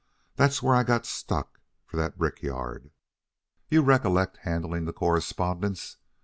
That's where I got stuck for that brick yard. You recollect handling the correspondence.